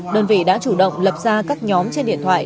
đơn vị đã chủ động lập ra các nhóm trên điện thoại